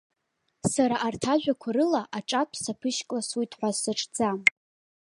Сара арҭ ажәақәа рыла аҿатә саԥышькласуеит ҳәа саҿӡам.